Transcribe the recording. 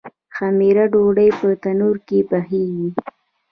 خمیره ډوډۍ په تندور کې پخیږي.